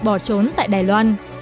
bỏ trốn tại đài loan